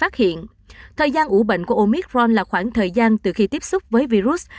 thời gian ủ bệnh của omicron là khoảng thời gian từ khi tiếp xúc với virus